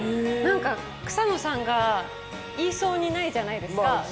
草野さんが言いそうにないじゃないですか。